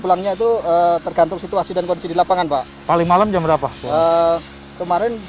pulangnya itu tergantung situasi dan kondisi di lapangan pak paling malam jam berapa kemarin